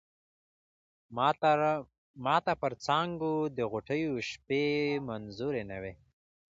ماته پر څانگو د غوټیو شپې منظوری نه وې